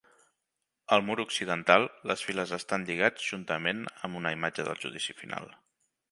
Al mur occidental, les files estan lligats juntament amb una imatge del Judici Final.